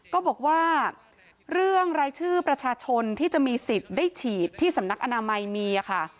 ก็บอกว่าเรื่องรายชื่อประชาชนที่จะมีสิทธิ์ได้ฉีดที่สำนักอนามัยมีค่ะ